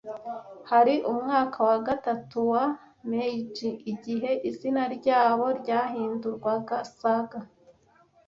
Hari mu mwaka wa gatatu wa Meiji igihe izina ryabo ryahindurwaga Saga.